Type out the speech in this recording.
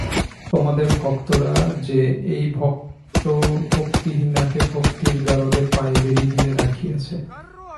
তোমাদের ভক্তরা যে এই ভক্তিহীনাকে ভক্তির গারদে পায়ে বেড়ি দিয়া রাখিয়াছে।